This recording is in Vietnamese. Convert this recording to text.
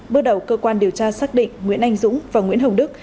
bước đầu cơ quan điều tra xác định nguyễn anh dũng và nguyễn hồng đức